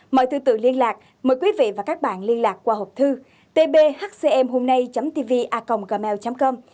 mời thư tự liên lạc mời quý vị và các bạn liên lạc qua hộp thư tbhcmhômnay tvacomgmail com